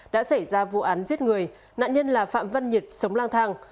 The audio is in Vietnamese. đã xảy ra vụ án giết người nạn nhân là phạm văn nhật sống lang thang